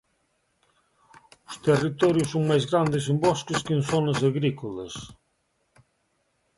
Os territorios son máis grandes en bosques que en zonas agrícolas.